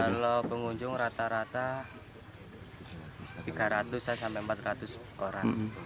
kalau pengunjung rata rata tiga ratus sampai empat ratus orang